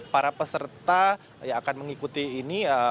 para peserta yang akan mengikuti ini